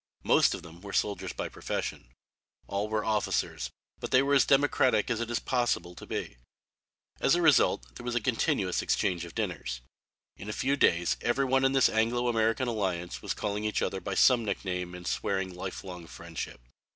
Most of them were soldiers by profession. All were officers, but they were as democratic as it is possible to be. As a result there was a continuous exchange of dinners. In a few days every one in this Anglo American alliance was calling each other by some nickname and swearing lifelong friendship.